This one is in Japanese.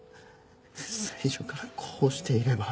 最初からこうしていれば。